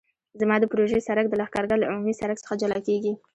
زما د پروژې سرک د لښکرګاه له عمومي سرک څخه جلا کیږي